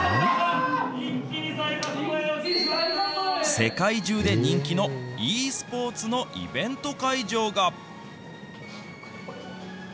世界中で人気のｅスポーツのイベント会場が。